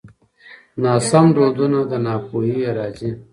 ناسم دودونه له ناپوهۍ راځي.